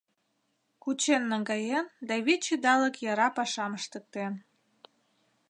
Кучен наҥгаен да вич идалык яра пашам ыштыктен.